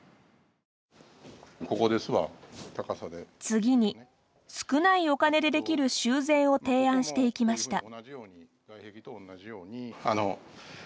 次に、少ないお金でできる修繕を提案していきました。